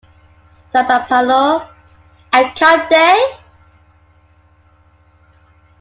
Zambapalo: And can't they?